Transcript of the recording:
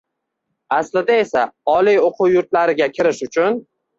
Aslida esa oliy o‘quv yurtlariga kirish uchun